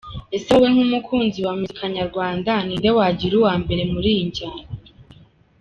Ese wowe nk’umukunzi wa muzika nyarwanda n’inde wagira uwambere muri iyi njyana ?.